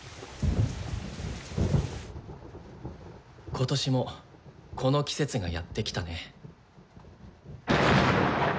今年もこの季節がやってきたね。